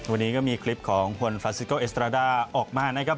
วันนี้ก็มีคลิปของคุณฟาซิโกเอสตราด้าออกมานะครับ